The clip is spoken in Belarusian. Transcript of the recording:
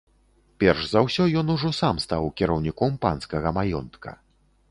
Перш за ўсё ён ужо сам стаў кіраўніком панскага маёнтка.